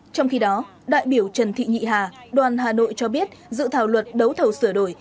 trong khi đó đại biểu trần thị nhị hà đoàn hà nội cho biết dự thảo luật đấu thầu sửa đổi